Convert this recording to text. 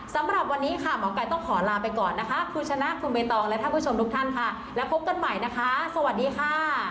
สำหรับวันนี้ค่ะหมอไก่ต้องขอลาไปก่อนนะคะคุณชนะคุณใบตองและท่านผู้ชมทุกท่านค่ะแล้วพบกันใหม่นะคะสวัสดีค่ะ